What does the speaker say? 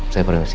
saya perlu mesti